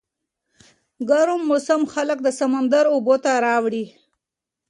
ګرم موسم خلک د سمندر اوبو ته راوړي.